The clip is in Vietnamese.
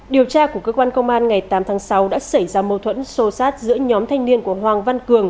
điều tra của cơ quan công an ngày tám tháng sáu đã xảy ra mâu thuẫn sô sát giữa nhóm thanh niên của hoàng văn cường